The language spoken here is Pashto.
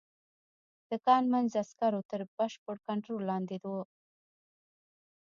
د کان منځ د عسکرو تر بشپړ کنترول لاندې و